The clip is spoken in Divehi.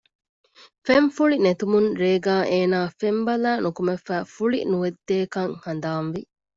ފެންފުޅި ނެތުމުން ރޭގައި އޭނާ ފެން ބަލައި ނުކުމެފައި ފުޅި ނުވެއްދޭކަން ހަނދާންވި